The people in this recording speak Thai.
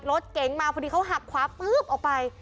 รถเก๋งมาพอดีเขาหักขวาปุ๊บออกไป